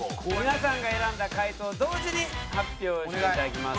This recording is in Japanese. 皆さんが選んだ回答同時に発表していただきます。